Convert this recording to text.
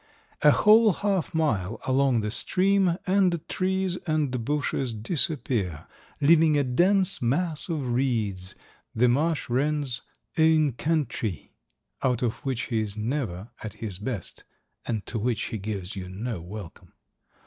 A whole half mile along the stream and trees and bushes disappear, leaving a dense mass of reeds, the marsh wren's "ain countrie," out of which he is never at his best and to which he gives you no welcome.